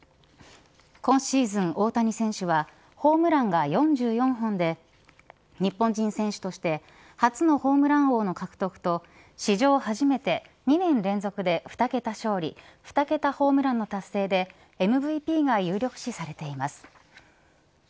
今シーズン大谷選手はホームランが４４本で日本人選手として初のホームラン王の獲得と史上初めて２年連続で２桁勝利２桁ホームランの達成でＭＶＰが有力視されています。